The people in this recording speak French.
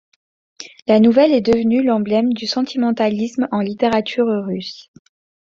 La nouvelle est devenue l'emblème du sentimentalisme en littérature russe.